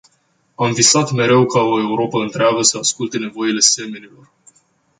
Am visat mereu ca o Europă întreagă să asculte nevoile semenilor.